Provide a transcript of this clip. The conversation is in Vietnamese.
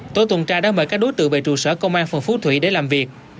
tổ tuần tra đã mời các đối tượng về trụ sở công an phường phú thủy để làm việc